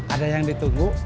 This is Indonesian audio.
ada yang ditunggu